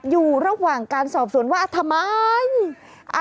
อยู่ระหว่างการสอบสวนว่าทำไม